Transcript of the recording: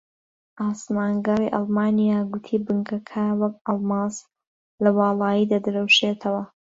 ئاسمانگەڕی ئەڵمانیا گوتی بنکەکە وەک ئەڵماس لە واڵایی دەدرەوشێتەوە